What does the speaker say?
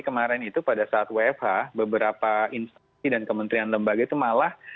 kemarin itu pada saat wfh beberapa instansi dan kementerian lembaga itu malah